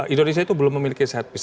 indonesia itu belum memiliki set piece